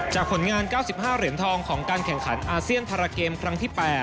ผลงาน๙๕เหรียญทองของการแข่งขันอาเซียนพาราเกมครั้งที่๘